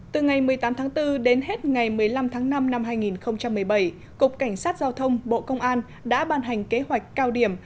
từ ngày một mươi tám tháng bốn đến hết ngày một mươi năm tháng năm năm hai nghìn một mươi bảy cục cảnh sát giao thông bộ công an đã ban hành kế hoạch cao điểm